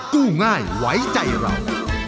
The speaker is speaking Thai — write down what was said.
กู้ง่ายไว้ใจเรา